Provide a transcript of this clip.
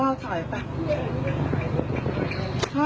โอ้โห